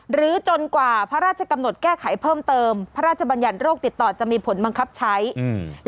จนกว่าพระราชกำหนดแก้ไขเพิ่มเติมพระราชบัญญัติโรคติดต่อจะมีผลบังคับใช้อืม